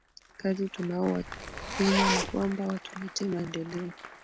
kazi tunaowatuma ni kwamba watuletee maendeleo